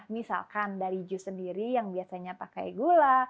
misalkan dari jus sendiri yang biasanya pakai gula